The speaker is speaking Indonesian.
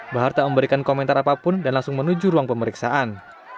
bahar tak memberikan komentar apapun dan langsung menuju ruang pemeriksaan